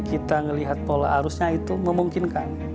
kita melihat pola arusnya itu memungkinkan